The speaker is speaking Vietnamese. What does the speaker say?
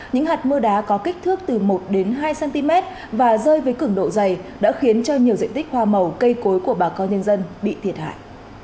những hạt mưa đá có kích thước từ một đến hai cm và rơi với cứng độ dày đã khiến cho nhiều diện tích hoa màu cây cối của bà con nhân dân bị thiệt hại